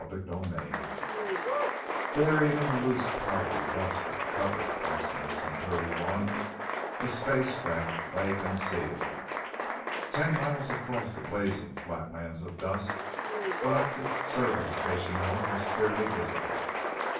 _" CHAPTER 6 Buried in the loose, powdery dust that covered Proxima Centauri I, a spacecraft lay concealed. Ten miles across the blazing flatlands of dust, Galactic Survey Station I was clearly visible.